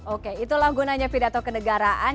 oke itulah gunanya pidato kenegaraan